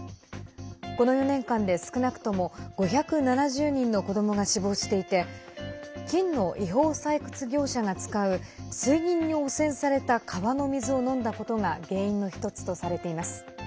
この４年間で少なくとも５７０人の子どもが死亡していて金の違法採掘業者が使う水銀に汚染された川の水を飲んだことが原因の一つとされています。